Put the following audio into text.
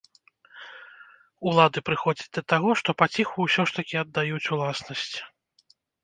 Улады прыходзяць да таго, што паціху ўсё ж такі аддаюць уласнасць.